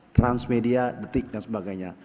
transmedia detik dan sebagainya